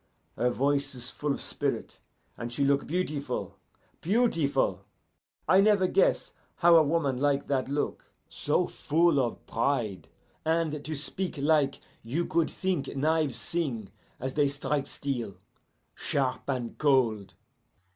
Her voice is full of spirit and she look beautiful beautiful. I never guess how a woman like that look; so full of pride, and to speak like you could think knives sing as they strike steel sharp and cold.